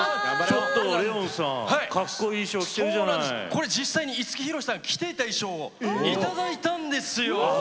これ実際に五木ひろしさんが着ていた衣装を頂いたんですよ！